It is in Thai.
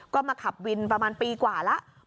ก็มาขับวินประมาณปีกว่าแล้ว